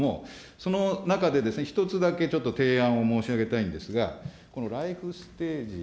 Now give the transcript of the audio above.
その中で１つだけちょっと提案を申し上げたいんですが、このライフステージ。